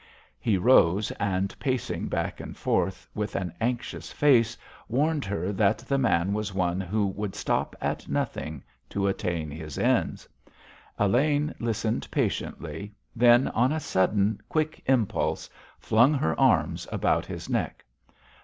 He rose, and, pacing back and fore, with an anxious face, warned her that the man was one who would stop at nothing to attain his ends. Elaine listened patiently; then, on a sudden, quick impulse, flung her arms about his neck.